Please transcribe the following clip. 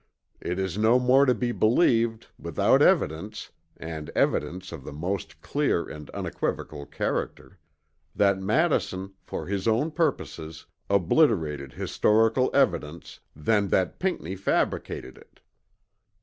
It is no more to be believed without evidence (and evidence of the most clear and unequivocal character) that Madison, for his own purposes, obliterated historical evidence, than that Pinckney fabricated it.